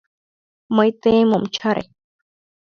Мый тыйым ом чаре.